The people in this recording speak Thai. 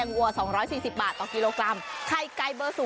ช่วงตลอดตลอด